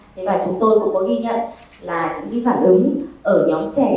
thế và chúng tôi cũng có ghi nhận là những cái phản ứng ở nhóm trẻ